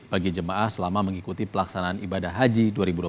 bagi jemaah selama mengikuti pelaksanaan ibadah haji dua ribu dua puluh satu